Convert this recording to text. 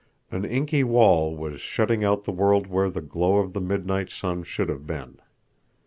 An inky wall was shutting out the world where the glow of the midnight sun should have been.